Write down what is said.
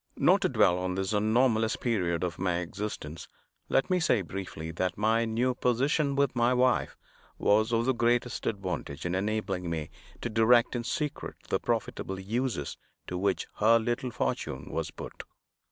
Not to dwell on this anomalous period of my existence, let me say briefly that my new position with my wife was of the greatest advantage in enabling me to direct in secret the profitable uses to which her little fortune was put.